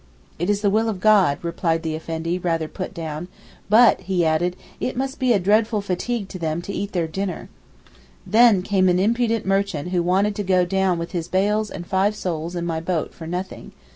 'It is the will of God,' replied the Effendi, rather put down: 'but,' he added, 'it must be a dreadful fatigue to them to eat their dinner.' Then came an impudent merchant who wanted to go down with his bales and five souls in my boat for nothing.